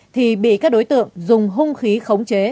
thì bị các đối tượng dùng hung khí khống chế